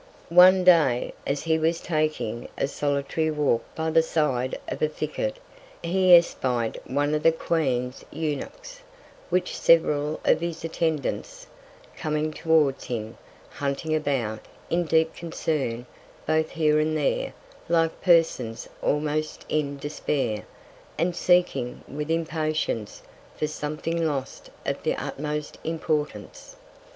One Day, as he was taking a solitary Walk by the Side of a Thicket, he espy'd one of the Queen's Eunuchs, with several of his Attendants, coming towards him, hunting about, in deep Concern, both here and there, like Persons almost in Despair, and seeking, with Impatience, for something lost of the utmost Importance.